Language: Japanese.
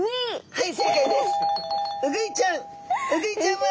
はい。